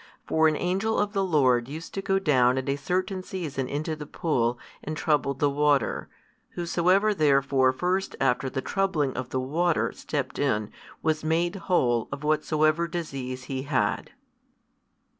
For an angel of the Lord used to go down at a certain season into the pool, and trouble the water: whosoever therefore first after the troubling of the water stepped in was made whole of whatsoever disease he had.